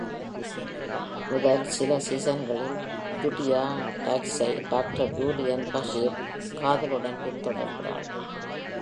முதல் சில சீசன்களில், Jadzia Dax-ஐ டாக்டர் ஜூலியன் பஷீர் காதலுடன் பின்தொடர்கிறாள்.